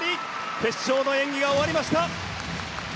決勝の演技が終わりました。